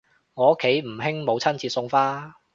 我屋企唔興母親節送花